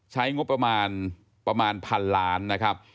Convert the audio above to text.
ใช้งบประมาณประมาณพันล้านนะครับ